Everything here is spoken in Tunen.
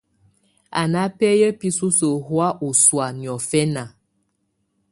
Á ná bɛ̀áyá bisusǝ́ hɔ̀á ɔ́ sɔ̀á niɔ̀fɛna.